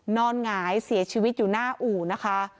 หงายเสียชีวิตอยู่หน้าอู่นะคะ